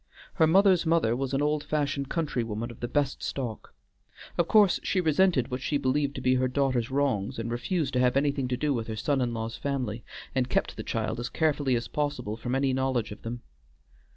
Her mother's mother was an old fashioned country woman of the best stock. Of course she resented what she believed to be her daughter's wrongs, and refused to have anything to do with her son in law's family, and kept the child as carefully as possible from any knowledge of them.